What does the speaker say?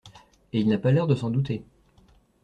Et il n'a pas l'air de s'en douter.